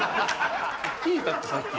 聞いたってさっき。